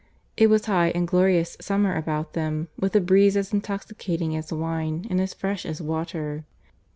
It was high and glorious summer about them, with a breeze as intoxicating as wine and as fresh as water.